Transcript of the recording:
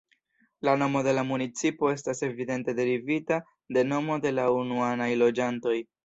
La nomo de la municipo estas evidente derivita de nomo de la unuaj loĝantoj.